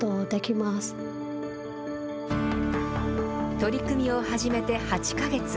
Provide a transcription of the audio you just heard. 取り組みを始めて８か月。